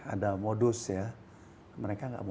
ada modus ya